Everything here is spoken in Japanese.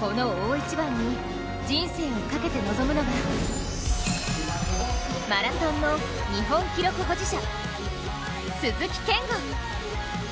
この大一番に、人生をかけて臨むのがマラソンの日本記録保持者鈴木健吾。